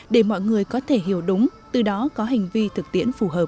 để mọi người có thể hiểu đúng từ đó có hành vi thực tiễn phù hợp